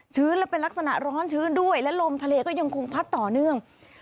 และเป็นลักษณะร้อนชื้นด้วยและลมทะเลก็ยังคงพัดต่อเนื่อง